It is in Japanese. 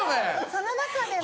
その中でも。